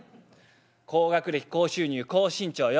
高学歴高収入高身長よ」。